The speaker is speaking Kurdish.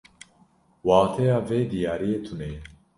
Wateya vê diyariyê tune ye.